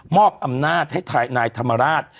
อำนาจให้นายธรรมราช